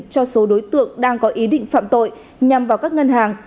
cho số đối tượng đang có ý định phạm tội nhằm vào các ngân hàng